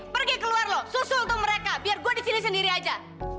pergi keluar loh susul tuh mereka biar gue di sini sendiri aja